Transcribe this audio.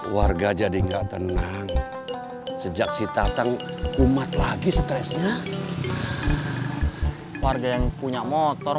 warga jadi enggak tenang sejak si tatang umat lagi stresnya warga yang punya motor